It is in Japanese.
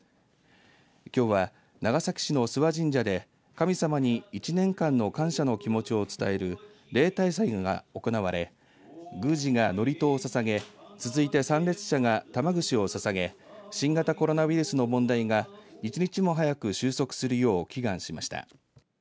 きょうは、長崎市の諏訪神社で神様に１年間の感謝の気持ちを伝える例大祭が行われ宮司が祝詞をささげ続いて参列者が玉ぐしをささげ新型コロナウイルスの問題が１日も早く収束するよう祈願しました。